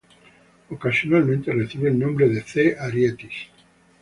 Ocasionalmente recibe el nombre de c Arietis.